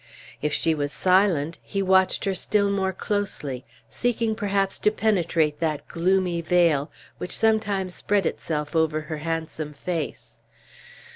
If she was silent, he watched her still more closely, seeking perhaps to penetrate that gloomy veil which sometimes spread itself over her handsome face.